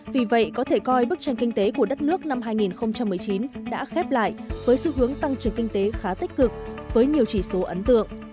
vì vậy có thể coi bức tranh kinh tế của đất nước năm hai nghìn một mươi chín đã khép lại với xu hướng tăng trưởng kinh tế khá tích cực với nhiều chỉ số ấn tượng